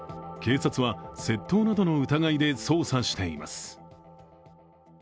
警察は窃盗などの疑いで捜査しています。